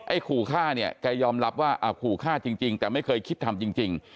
ขู่ฆ่าเนี่ยแกยอมรับว่าขู่ฆ่าจริงแต่ไม่เคยคิดทำจริง